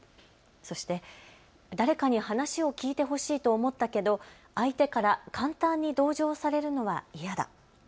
そして、誰かに話を聞いてほしいと思ったけど相手から簡単に同情されるのは嫌だ。